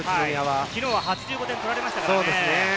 昨日は８５点取られました。